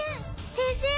先生！